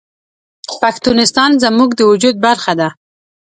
پښتونستان زموږ د وجود برخه ده